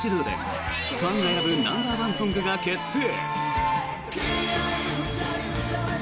ファンが選ぶナンバーワンソングが決定。